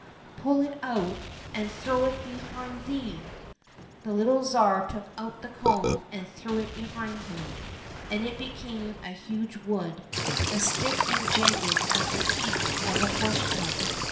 Pull it out and throw it behind 63 COSSACK FAIRY TALES thee !"— The little Tsar took out the comb and threw it behind him, and it became a huge wood, as thick and jagged as the teeth of a horse comb.